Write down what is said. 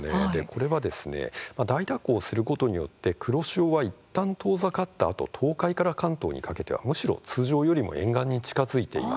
これは、大蛇行することによって黒潮はいったん遠ざかったあと東海から関東にかけてはむしろ通常よりも沿岸に近づいています。